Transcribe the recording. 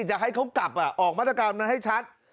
จะให้เขากลับออกมาตรการมันให้ชัด